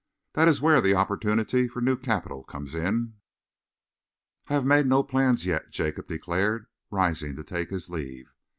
"That is where the opportunity for new capital comes in." "I have made no plans yet," Jacob declared, rising to take his leave.